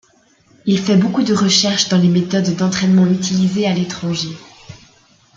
Il fait beaucoup de recherches dans les méthodes d'entraînement utilisées à l'étranger.